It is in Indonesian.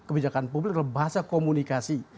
kebijakan publik adalah bahasa komunikasi